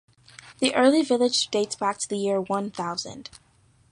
The early village dates back to the year One Thousand.